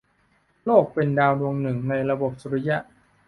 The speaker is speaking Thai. โลกเป็นดาวดวงหนึ่ง ในระบบสุริยะ